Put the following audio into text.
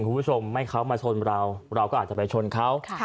คุณผู้ชมไม่เขามาชนเราเราก็อาจจะไปชนเขา